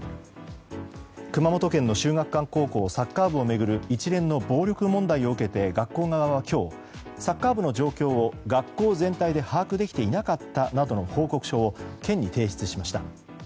熊本県の秀岳館高校サッカー部を巡る一連の暴力問題を受けて学校側は今日サッカー部の状況を学校全体で把握できていなかったなどの報告書を県に提出しました。